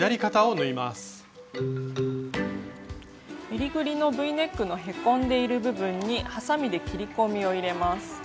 えりぐりのＶネックのへこんでいる部分にはさみで切り込みを入れます。